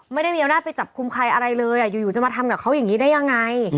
ไม่ได้มีอำนาจไปจับคุมใครอะไรเลยอยู่จะมาทำกับเขาอย่างนี้ได้ยังไง